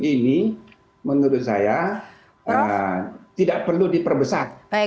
ini menurut saya tidak perlu diperbesar